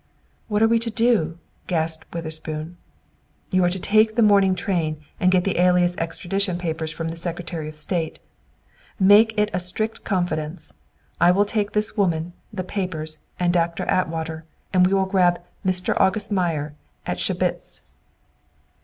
"What are we to do?" gasped Witherspoon. "You are to take the morning train and get the alias extradition papers from the Secretary of State. Make it a strict confidence. I will take this woman, the papers, and Doctor Atwater, and we will grab 'Mr. August Meyer' at Schebitz.